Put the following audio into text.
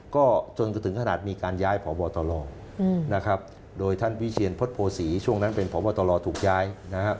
ก็จนก็ถึงขนาดมีการย้ายผ่อบ่อตลอนะครับโดยท่านวิเชียนพฤษีช่วงนั้นเป็นผ่อบ่อตลอถูกย้ายนะครับ